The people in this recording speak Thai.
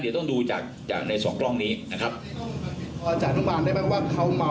เดี๋ยวต้องดูจากจากในสองกล้องนี้นะครับพอจะอนุบาลได้ไหมว่าเขาเมา